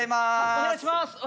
お願いします。